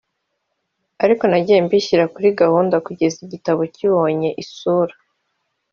ariko nagiye mbishyira kuri gahunda kugeza igitabo kibonye isura